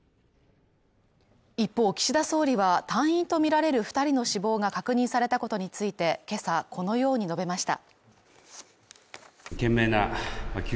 一方岸田総理は隊員とみられる２人の死亡が確認されたことについて、今朝このように述べました。